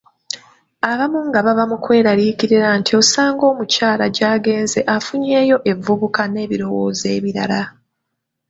Abamu nga baba mu kweraliikirira nti osanga omukyala gy’agenze afunyeeyo evvubuka n’ebirowoozo ebirala.